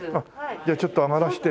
じゃあちょっと上がらせて。